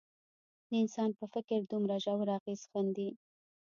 د انسان په فکر دومره ژور اغېز ښندي.